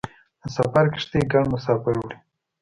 د سفر کښتۍ ګڼ مسافر وړي.